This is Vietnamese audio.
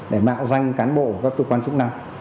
để mạo danh cán bộ các cơ quan chức năng